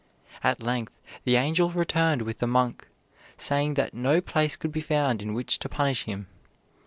At length the angel returned with the monk, saying that no place could be found in which to punish him.